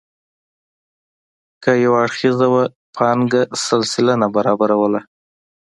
که یو اړخیزه وه پانګه سل سلنه برابروله.